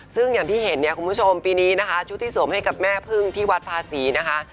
ซึ่งอย่างที่เห็นเนี่ยคุณผู้ชมปีนี้นะคะชุดที่สวมให้กับแม่พึ่งที่วัดภาษีนะคะ